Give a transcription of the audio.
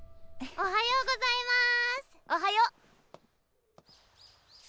おはようございます。